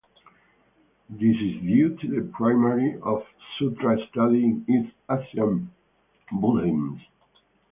This is due to the primacy of sutra study in East Asian Buddhism.